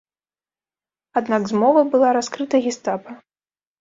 Аднак змова была раскрыта гестапа.